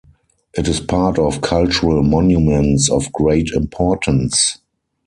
It is part of Cultural Monuments of Great Importance.